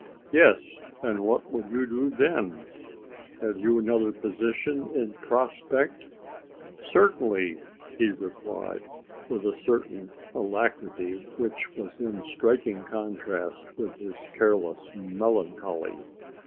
"Yes, and what will you do then? Have you another position in prospect?" "Certainly," he replied, with a certain alacrity which was in striking contrast with his careless melancholy.